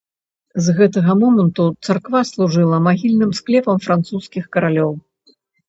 З гэтага моманту царква служыла магільным склепам французскіх каралёў.